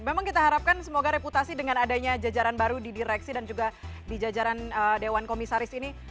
memang kita harapkan semoga reputasi dengan adanya jajaran baru di direksi dan juga di jajaran dewan komisaris ini